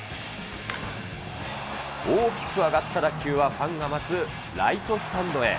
大きく上がった打球は、ファンが待つライトスタンドへ。